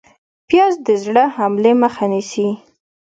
پیاز د زړه حملې مخه نیسي